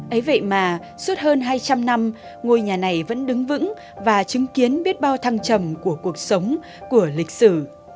ấy vậy mà suốt hơn hai trăm linh năm ngôi nhà này vẫn đứng vững và chứng kiến biết bao thăng trầm của cuộc sống của lịch sử